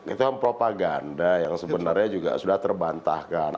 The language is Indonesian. itu kan propaganda yang sebenarnya juga sudah terbantahkan